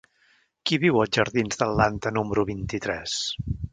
Qui viu als jardins d'Atlanta número vint-i-tres?